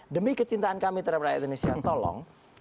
demi kecintaan kami terhadap rakyat indonesia tolong